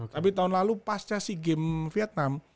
tapi tahun lalu pasca si game vietnam